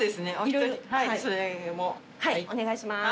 色々はいお願いします。